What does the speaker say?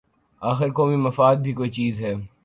آخر قومی مفاد بھی کوئی چیز ہے۔